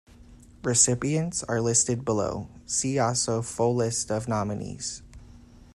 Recipients are listed below, see also full list of nominees.